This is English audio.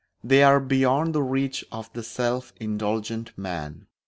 They are beyond the reach of the self indulgent man.